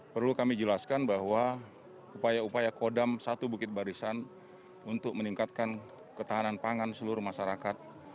perlu kami jelaskan bahwa upaya upaya kodam satu bukit barisan untuk meningkatkan ketahanan pangan seluruh masyarakat